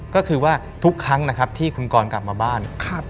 ก็คือว่าทุกครั้งนะครับที่คุณกรกลับมาบ้าน